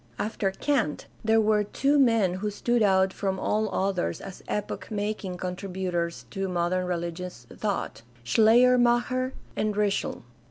After Kant there were two men who stood out from all others as epoch making contributors to modern religious thought — Schleiermacher and Ritschl.